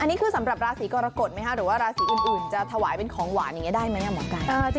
อันนี้คือสำหรับราศีกรกฎไหมคะหรือว่าราศีอื่นจะถวายเป็นของหวานอย่างนี้ได้ไหมหมอไก่